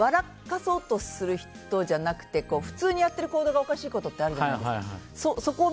そうとする人じゃなくて普通にやってる行動がおかしいことあるじゃないですか。